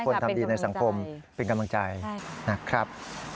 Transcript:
ทำดีในสังคมเป็นกำลังใจนะครับ